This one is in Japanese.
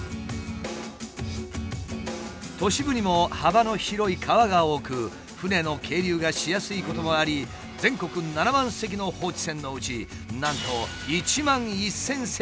都市部にも幅の広い川が多く船の係留がしやすいこともあり全国７万隻の放置船のうちなんと１万１，０００隻が集中している。